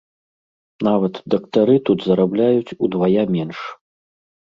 Нават дактары тут зарабляюць удвая менш.